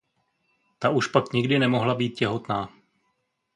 Ta už pak nikdy nemohla být těhotná.